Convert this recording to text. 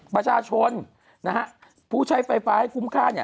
ประชาชนนะฮะผู้ใช้ไฟฟ้าให้คุ้มค่าเนี่ย